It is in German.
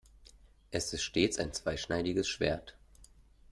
Es ist stets ein zweischneidiges Schwert.